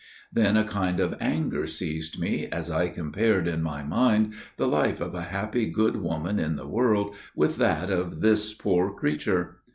Then a kind of anger seized me, as I compared in my mind the life of a happy good woman in the world with that of this poor creature.